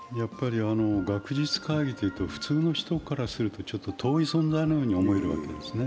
学術会議というと普通の人からすると遠い存在のように思えるわけですね。